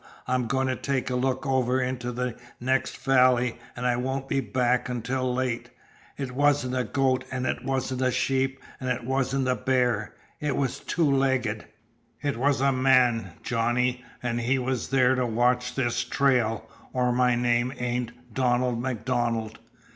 I'm going to take a look over into the next valley, an' I won't be back until late. It wasn't a goat, an' it wasn't a sheep, an' it wasn't a bear. It was two legged! It was a man, Johnny, an' he was there to watch this trail, or my name ain't Donald MacDonald.